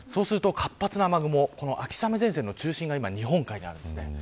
活発な雨雲、秋雨前線の中心が今、日本海にあります。